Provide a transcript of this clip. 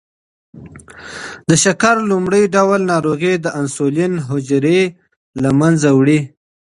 د شکر لومړی ډول ناروغي د انسولین حجرې له منځه وړي.